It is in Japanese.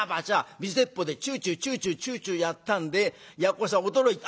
水鉄砲でチューチューチューチューチューチューやったんでやっこさん驚いた。